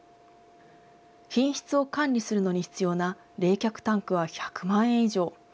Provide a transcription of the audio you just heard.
品質を管理するのに必要な冷却タンクは１００万円以上。